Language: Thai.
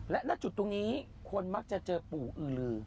และณจุดตรงนี้คนมักจะเจอปู่อือลือ